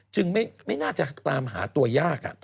จึงไม่น่าจะตามหาตัวยากอะ